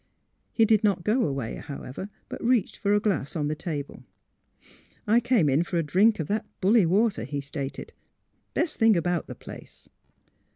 He did not go away, however, but reached for a glass on the table. '' I came in for a drink of that bully water, '' he stated. " Best thing about the place."